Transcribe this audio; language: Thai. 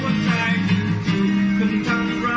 หัวใจมันถูกกันทำร้าย